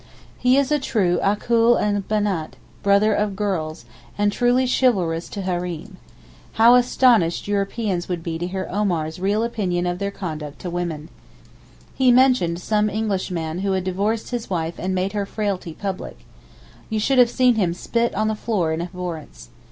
He is a true Akh ul Benât (brother of girls), and truly chivalrous to Hareem. How astonished Europeans would be to hear Omar's real opinion of their conduct to women. He mentioned some Englishman who had divorced his wife and made her frailty public. You should have seen him spit on the floor in abhorrence.